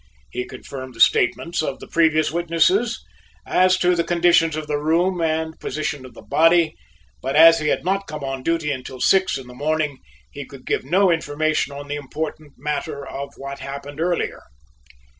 He confirmed the statements of the previous witnesses as to the conditions of the room and position of the body, but as he had not come on duty until six in the morning, he could give no information on the important matter of what happened earlier.